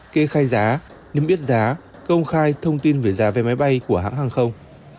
kê khai giá nếm biết giá công khai thông tin về giá vé máy bay của hãng hàng không